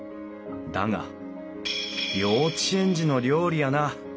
だが「幼稚園児の料理やな」